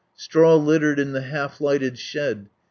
Straw littered in the half lighted shed.